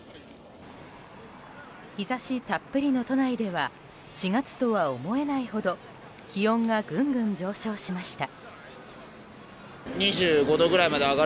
日差したっぷりの都内では４月とは思えないほど気温がぐんぐん上昇しました。